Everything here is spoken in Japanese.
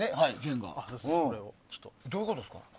どういうことですか？